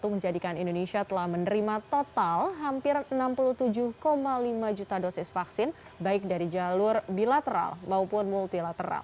menjadikan indonesia telah menerima total hampir enam puluh tujuh lima juta dosis